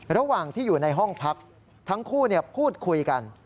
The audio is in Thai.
ระหว่างที่อยู่ในห้องพักทั้งคู่พูดคุยกัน